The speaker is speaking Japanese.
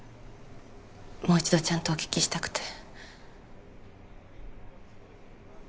もう一度ちゃんとお聞きしたくて。